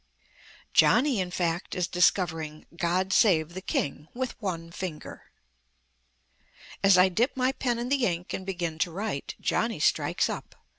Johnny, in fact, is discovering "God Save the King" with one finger. As I dip my pen in the ink and begin to write, Johnny strikes up.